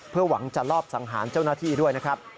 เพื่อหวังจะลอบสังหารเจ้าหน้าที่ด้วยนะครับ